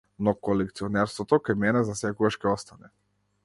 Но колекционерството кај мене засекогаш ќе остане.